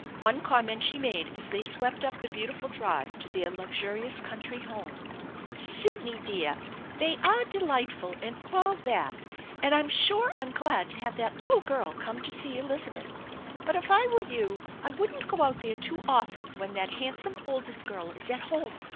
One comment she made as they swept up the beautiful drive to their luxurious country home: " Sidney dear, they are delightful and all that, and I'm sure I'm glad to have that little girl come to see Elizabeth, but if I were you I wouldn't go out there too often when that handsome oldest girl is at home.